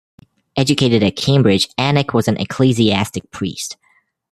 Educated at Cambridge, Alnwick was an ecclesiastic priest.